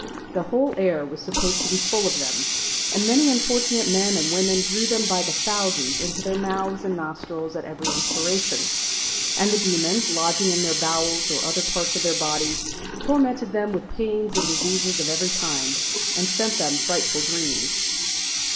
The whole air was supposed to be full of them, and many unfortunate men and women drew them by thousands into their mouths and nostrils at every inspiration; and the demons, lodging in their bowels or other parts of their bodies, tormented them with pains and diseases of every kind, and sent them frightful dreams.